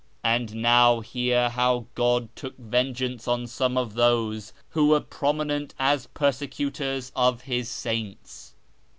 And now hear how God took vengeance on some of those who were prominent as persecutors of his saints.